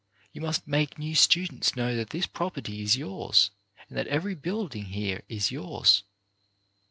You must make new students know that this property is yours, and that every building here 36 CHARACTER BUILDING is yours.